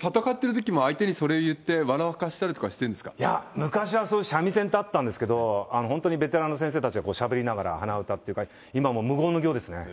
戦っているときも相手にそれ言って、昔は三味線ってあったんですけど、本当にベテランの先生たちはしゃべりながら、鼻歌っていうか、今もう無言の行ですね。